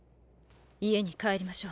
家に帰りましょう。